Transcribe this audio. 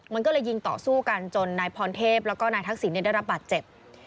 มันก็เลยยิงต่อสู้กันจนนายพรเทพแล้วก็นายทักษิณได้รับบาดเจ็บ